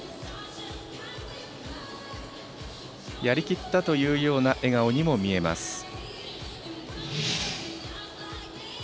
やりきったというような笑顔にも見えます。